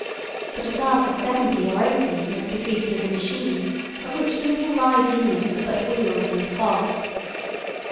But a class of seventy or eighty must be treated as a machine of which the little live units are but wheels and cogs.